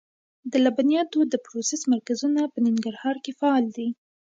د لبنیاتو د پروسس مرکزونه په ننګرهار کې فعال دي.